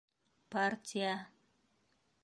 Партия...